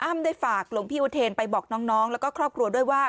ได้ฝากหลวงพี่อุเทนไปบอกน้องแล้วก็ครอบครัวด้วยว่า